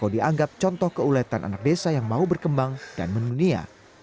dan itu akan berkembang dan menunia